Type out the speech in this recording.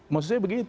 maksud saya begitu